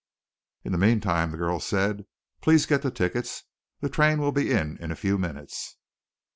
"In the meantime," the girl said, "please get the tickets. The train will be in, in a few minutes."